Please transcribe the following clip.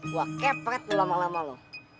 gue kampret lama lama lu